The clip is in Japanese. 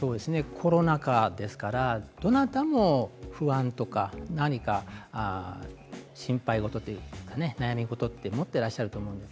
コロナ禍ですからどなたも不安とか何か心配事というか、悩み事を持っていらっしゃると思うんです。